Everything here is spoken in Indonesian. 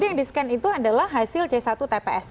yang di scan itu adalah hasil c satu tps